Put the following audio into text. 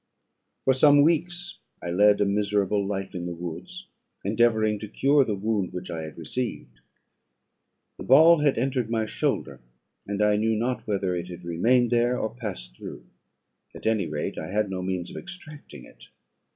"For some weeks I led a miserable life in the woods, endeavouring to cure the wound which I had received. The ball had entered my shoulder, and I knew not whether it had remained there or passed through; at any rate I had no means of extracting it.